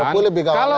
perpu lebih gawat lagi